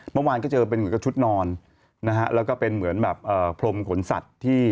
เมื่อวานก็เจอเป็นชุดนอนแล้วก็เป็นเหมือนแบบพลมขนสัตว์